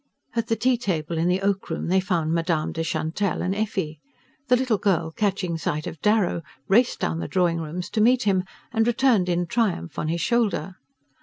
At the tea table in the oak room they found Madame de Chantelle and Effie. The little girl, catching sight of Darrow, raced down the drawing rooms to meet him, and returned in triumph on his shoulder.